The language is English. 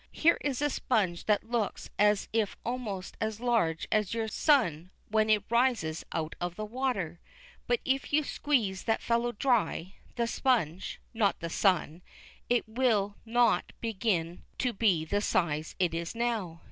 Here is a sponge that looks as if almost as large as your sun when it rises out of the water, but if you squeeze that fellow dry the sponge, not the sun it will not begin to be the size it is now.